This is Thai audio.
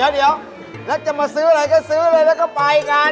เดี๋ยวแล้วจะมาซื้ออะไรก็ซื้อเลยแล้วก็ไปกัน